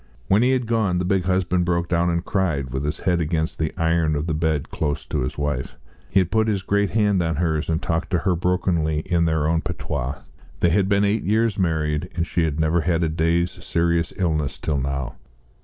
When he had gone, the big husband broke down and cried, with his head against the iron of the bed close to his wife. He put his great hand on hers, and talked to her brokenly in their own patois. They had been eight years married, and she had never had a day's serious illness till now.